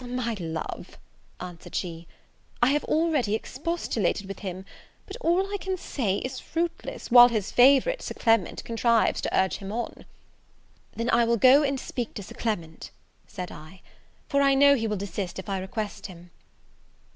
"My love," answered she, "I have already expostulated with him; but all I can say is fruitless, while his favourite, Sir Clement, contrives to urge him on." "Then I will go and speak to Sir Clement," said I, "for I know he will desist if I request him."